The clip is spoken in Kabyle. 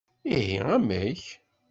Ihi amek?